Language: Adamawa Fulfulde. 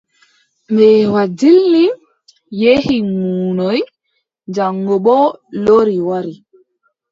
Mbeewa dilli, yehi munyoy, jaŋgo boo lori wari.